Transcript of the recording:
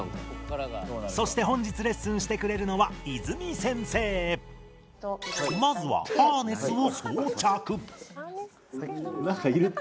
そして本日レッスンしてくれるのはまずはなんかいるって。